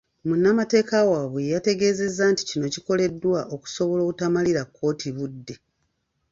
Munnamateeka waabwe yategeezezza nti kino kyakoleddwa okusobola obutamalira kkooti budde.